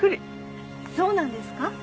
そうなんですか？